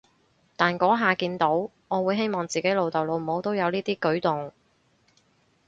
但嗰下見到，我會希望自己老豆老母都有呢啲舉動